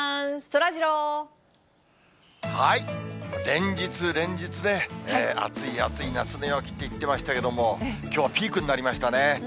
連日連日ね、暑い、暑い夏の陽気と言ってましたけど、きょうはピークになりましたね。